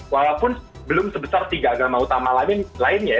walaupun belum sebesar tiga agama utama lainnya ya